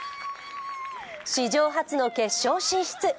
史上初の決勝進出。